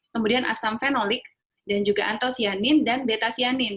kemudian asam fenolik dan juga antosianin dan betasianin